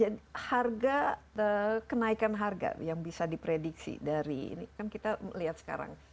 jadi harga kenaikan harga yang bisa diprediksi dari ini kan kita lihat sekarang